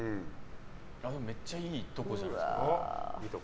めっちゃいいとこじゃないですか？